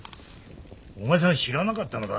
お前さん知らなかったのか？